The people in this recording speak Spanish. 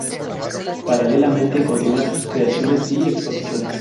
Paralelamente, continúa sus creaciones y exposiciones.